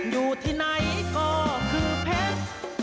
อยู่ที่ไหนก็คือเพชร